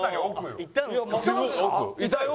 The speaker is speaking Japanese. いたよ。